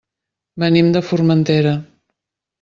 Venim de Formentera.